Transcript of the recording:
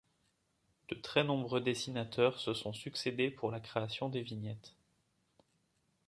De très nombreux dessinateurs se sont succédé pour la création des vignettes.